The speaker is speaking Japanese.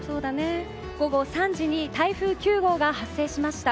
午後３時に台風９号が発生しました。